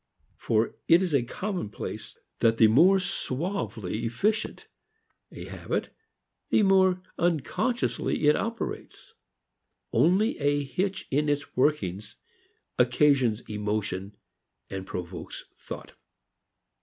For it is a commonplace that the more suavely efficient a habit the more unconsciously it operates. Only a hitch in its workings occasions emotion and provokes thought.